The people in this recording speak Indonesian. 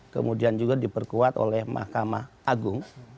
kemudian juga diperkuat oleh mahkamah agung